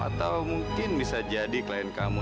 atau mungkin bisa jadi klien kamu